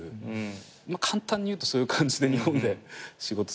簡単に言うとそういう感じで日本で仕事するようになって。